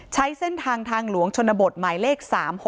ใช้เส้นทางทางหลวงชนบทหมายเลข๓๖